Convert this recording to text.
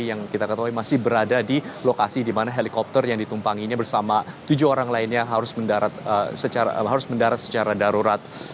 yang kita ketahui masih berada di lokasi di mana helikopter yang ditumpanginya bersama tujuh orang lainnya harus mendarat secara darurat